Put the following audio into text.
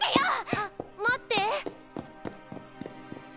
あっ待って！